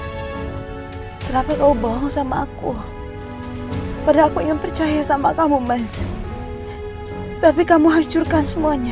hai kenapa kau bohong sama aku pada aku yang percaya sama kamu mas tapi kamu hancurkan semuanya